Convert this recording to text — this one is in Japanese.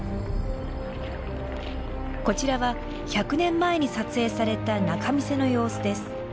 こちらは１００年前に撮影された仲見世の様子です。